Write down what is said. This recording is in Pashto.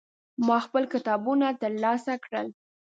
ما خپل کتابونه ترلاسه کړل.